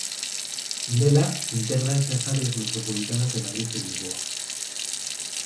Nela intégranse as áreas metropolitanas de Madrid e Lisboa.